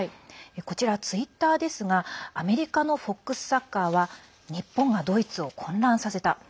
こちら、ツイッターですがアメリカのＦＯＸＳｏｃｃｅｒは日本がドイツを混乱させた。